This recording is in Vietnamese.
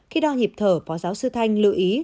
khi đo nhịp thở phó giáo sư thanh lưu ý